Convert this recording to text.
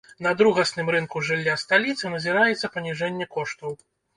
На другасным рынку жылля сталіцы назіраецца паніжэнне коштаў.